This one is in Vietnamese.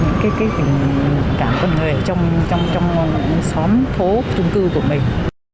những cái tình cảm con người ở trong xóm phố trung cư của mình